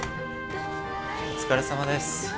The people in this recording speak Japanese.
お疲れさまです。